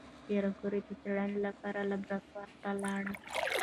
پېیر کوري د څېړنې لپاره لابراتوار ته لاړ.